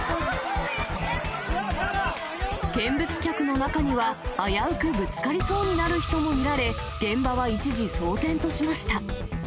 見物客の中には、危うくぶつかりそうになる人も見られ、現場は一時騒然としました。